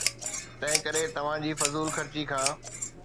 تنهنڪري توهان جي فضول خرچي کان.